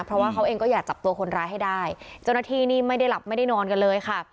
เพราะว่าเขาเองก็อยากจับตัวคนร้ายให้ได้เจ้าหน้าที่นี่ไม่ได้หลับไม่ได้นอนกันเลยค่ะ